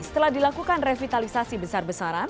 setelah dilakukan revitalisasi besar besaran